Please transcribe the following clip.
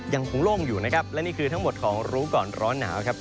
ยังคงโล่งอยู่นะครับและนี่คือทั้งหมดของรู้ก่อนร้อนหนาวครับ